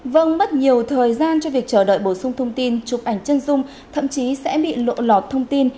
vâng mất nhiều thời gian cho việc chờ đợi bổ sung thông tin chụp ảnh chân dung thậm chí sẽ bị lộ lọt thông tin